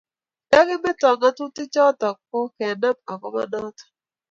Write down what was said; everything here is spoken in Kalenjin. nnda kimeto ngatutik chotok ko kenam akoba notok